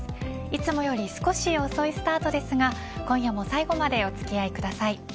いつもより少し遅いスタートですが今夜も最後までお付き合いください。